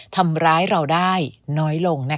ทำร้ายเราได้น้อยลง